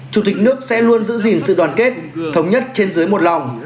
chủ tịch nước sẽ luôn giữ gìn sự đoàn kết thống nhất trên dưới một lòng